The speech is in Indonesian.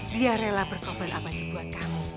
biar rela berkobel apa aja buat kamu